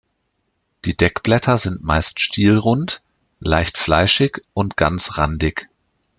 Die Deckblätter sind meist stielrund, leicht fleischig und ganzrandig.